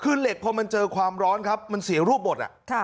คือเหล็กพอมันเจอความร้อนครับมันเสียรูปหมด